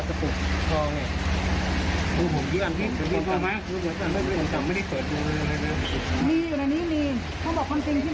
ที่ผมจัดเซ็กมาผมก็เปิดต่อหน้าไม่มีหลับจริงครับ